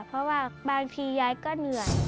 เพราะว่าบางทียายก็เหนื่อย